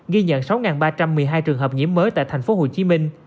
ghi nhận sáu ba trăm một mươi hai trường hợp nhiễm mới tại tp hcm